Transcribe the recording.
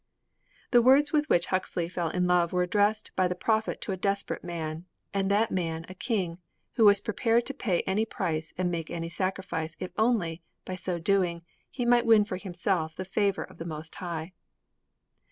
IV The words with which Huxley fell in love were addressed by the prophet to a desperate man and that man a king who was prepared to pay any price and make any sacrifice if only, by so doing, he might win for himself the favor of the Most High.